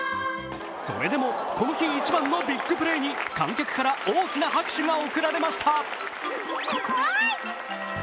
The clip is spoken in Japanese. それでもこの日一番のビッグプレーに観客から大きな拍手が送られました。